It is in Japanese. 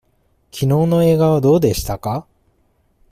きのうの映画はどうでしたか。